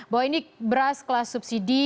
bahwa ini beras kelas subsidi